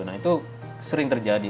nah itu sering terjadi